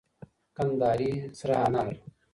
کندهاري سره انار.